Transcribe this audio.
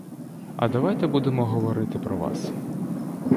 А давайте будемо говорити про вас.